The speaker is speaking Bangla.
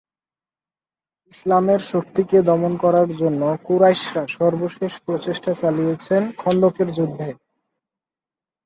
ইসলামের শক্তিকে দমন করার জন্য কুরাইশরা সর্বশেষ প্রচেষ্টা চালিয়েছিল খন্দকের যুদ্ধে।